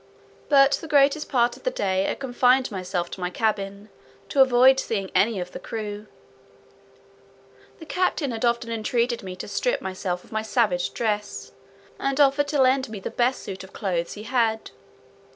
But the greatest part of the day I confined myself to my cabin, to avoid seeing any of the crew. The captain had often entreated me to strip myself of my savage dress, and offered to lend me the best suit of clothes he had.